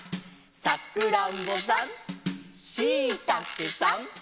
「さくらんぼさん」「しいたけさん」